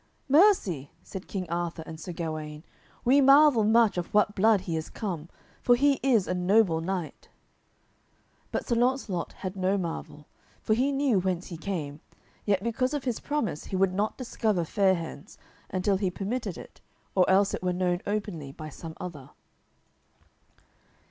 "Mercy," said King Arthur and Sir Gawaine, "we marvel much of what blood he is come, for he is a noble knight." But Sir Launcelot had no marvel, for he knew whence he came, yet because of his promise he would not discover Fair hands until he permitted it or else it were known openly by some other.